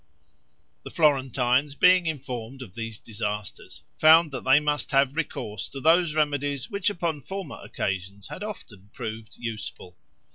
The Florentines being informed of these disasters, found they must have recourse to those remedies which upon former occasions had often proved useful.